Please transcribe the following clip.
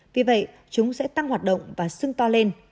vì vậy chúng sẽ tăng hoạt động và sưng to lên